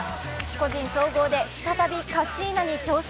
個人総合で再びカッシーナに挑戦。